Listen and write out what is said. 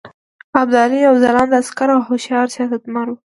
ابدالي یو ځلانده عسکر او هوښیار سیاستمدار وو.